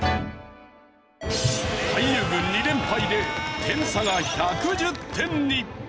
俳優軍２連敗で点差が１１０点に。